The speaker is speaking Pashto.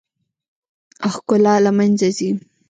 ښکلا له منځه ځي .